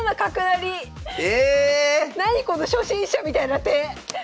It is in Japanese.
なにこの初心者みたいな手！